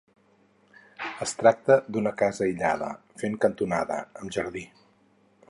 Es tracta d'una casa aïllada, fent cantonada, amb jardí.